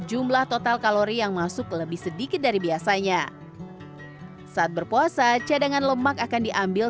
jumlah total kalori yang masuk lebih sedikit dari biasanya saat berpuasa cadangan lemak akan diambil